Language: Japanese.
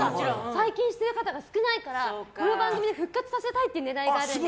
最近はしてる方が少ないからこの番組で復活させたいという狙いがあるんです。